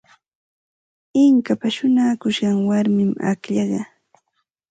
Inkapa shuñakushqan warmim akllaqa.